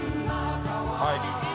はい。